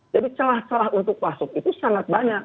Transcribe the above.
jadi celah celah untuk masuk itu sangat banyak